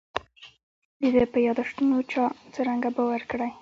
د ده په یاداشتونو چا څرنګه باور کړی.